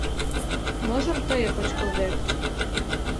Можым тые кочкылдет?